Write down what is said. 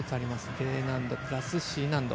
Ｄ難度プラスＣ難度。